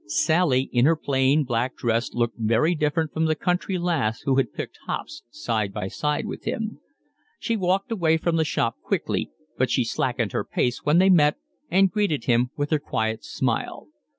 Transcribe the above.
Sally in her plain black dress looked very different from the country lass who had picked hops side by side with him. She walked away from the shop quickly, but she slackened her pace when they met, and greeted him with her quiet smile.